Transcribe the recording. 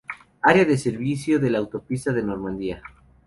Área de servicio de la autopista de Normandía.